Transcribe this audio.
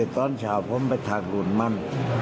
ตอนเช้าผมไปทางหลูนมัน